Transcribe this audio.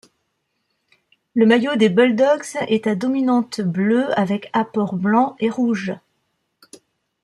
Le maillot des Bulldogs est à dominante bleue avec apports blanc et rouge.